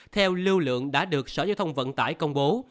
theo lưu lượng đã được sở giao thông vận tải công bố